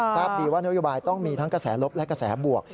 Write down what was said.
ทราบดีว่านโยบายต้องมีทั้งกระแสลบและกระแสบวก